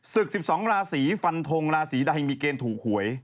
ศึก๑๒ราศีฟันทงราศีใดมีเกณฑ์ถูกหวย